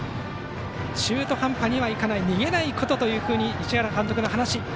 中途半端にはいかない逃げないことという市原監督の話。